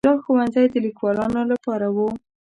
دا ښوونځي د لیکوالانو لپاره وو.